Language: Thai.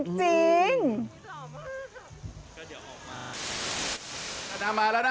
ก็เดี๋ยวออกมา